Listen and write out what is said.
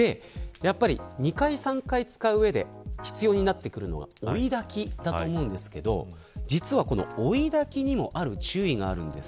２回、３回使う上で必要になってくるのが追いだきだと思うんですけど実は、追いだきにもある注意があるんです。